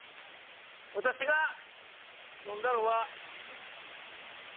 私が飲んだのは。